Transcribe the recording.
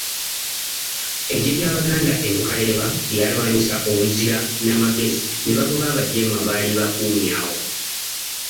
Eggye ly'Abaganda e Bukaleeba lyalwanyisa obuzira n'amagezi ne bagoba abajeemu abaali bakumye awo.